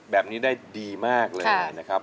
แบบนี้ได้ดีมากเลยนะครับ